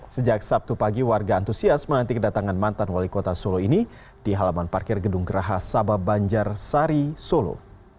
sejak sabtu pagi warga antusias menanti kedatangan mantan wali kota solo ini di halaman parkir gedung geraha sabah banjar sari solo